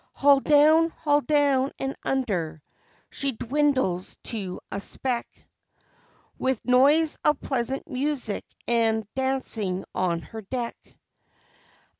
Hull down hull down and under she dwindles to a speck, With noise of pleasant music and dancing on her deck.